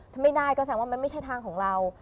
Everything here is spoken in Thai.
ถ้าไม่ได้ก็แสดงว่ามันไม่ใช่ทางของเรา